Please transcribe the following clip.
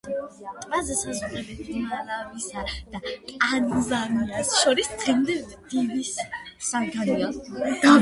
ტბაზე საზღვრები მალავისა და ტანზანიას შორის დღემდე დავის საგანია.